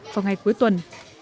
vào ngày cuối tuần